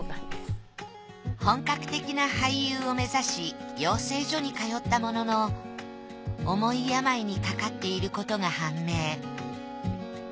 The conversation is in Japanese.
本格的な俳優を目指し養成所に通ったものの重い病にかかっていることが判明。